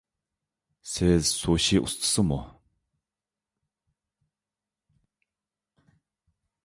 سىز سۇشى ئۇستىسىمۇ؟